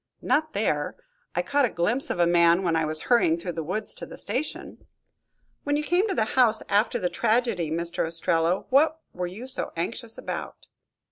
"Not there. I caught a glimpse of a man when I was hurrying through the woods to the station." "When you came to the house, after the tragedy, Mr. Ostrello, what were you so anxious about?"